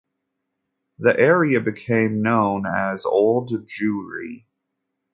The area became known as Old Jewry.